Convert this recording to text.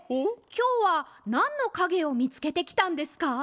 きょうはなんのかげをみつけてきたんですか？